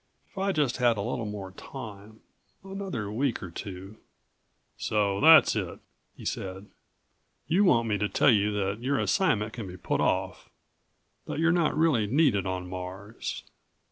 If I just had a little more time, another week or two " "So that's it," he said. "You want me to tell you that your assignment can be put off, that you're not really needed on Mars.